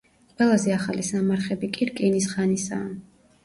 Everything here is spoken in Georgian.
ყველაზე ახალი სამარხები კი რკინის ხანისაა.